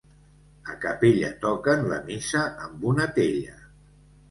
A Capella toquen la missa amb una tella.